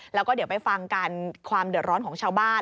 แล้วก็เดี๋ยวไปฟังการความเดือดร้อนของชาวบ้าน